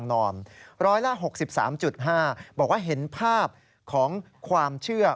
๑๖๓๕บอกว่าเห็นภาพของความเชื่อ